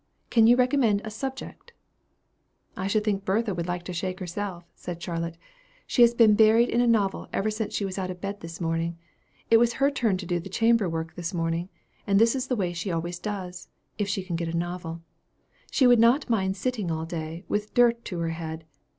"Can you recommend a subject?" "I should think Bertha would like to shake herself," said Charlotte. "She has been buried in a novel ever since she was out of bed this morning. It was her turn to do the chamber work this morning; and this is the way she always does, if she can get a novel. She would not mind sitting all day, with dirt to her head.